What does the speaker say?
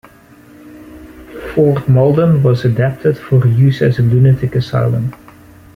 Fort Malden was adapted for use as a Lunatic Asylum.